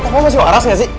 kau masih waras nggak sih